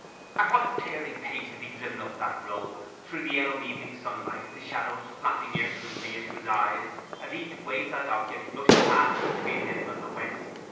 At what a tearing pace he had driven up that road, through the yellow evening sunlight, the shadows flapping irksomely into his eyes as each wayside object rushed past between him and the west!